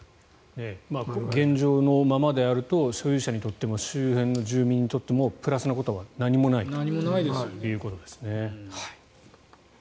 現状のままであると所有者にとっても周辺の住民にとってもプラスなことは何もないということですね。